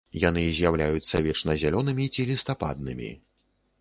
Яны з'яўляюцца вечназялёнымі ці лістападнымі.